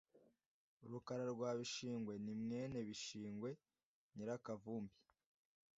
Rukara rwa Bishingwe ni mwene Bishingwe Nyirakavumbi